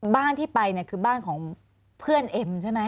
บ้านที่ไปเนี่ยคือบ้านของเพื่อนเอ็มใช่ไหม